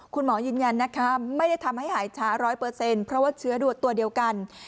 คุณหมอยืนยันนะคะไม่ได้ทำให้หายช้า๑๐๐เพราะว่าเชื้อดูดตัวเดียวกัน